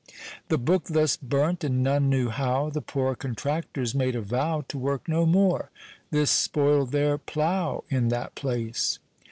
The book thus burnt and none knew how The poore contractors made a vow To work no more; this spoil'd their plow In that place.